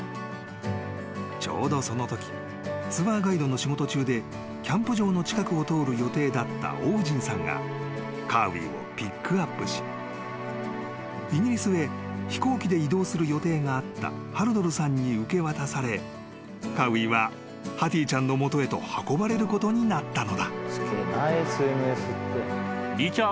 ［ちょうどそのときツアーガイドの仕事中でキャンプ場の近くを通る予定だったオウジンさんがカーウィをピックアップしイギリスへ飛行機で移動する予定があったハルドルさんに受け渡されカーウィはハティちゃんの元へと運ばれることになったのだ］